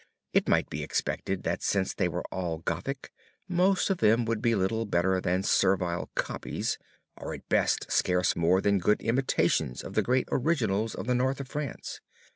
It might be expected that since they were all Gothic, most of them would be little better than servile copies, or at best scarce more than good imitations of the great originals of the North of France.